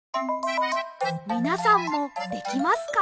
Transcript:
みなさんもできますか？